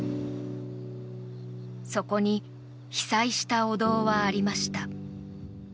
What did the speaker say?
そこに被災したお堂はありました。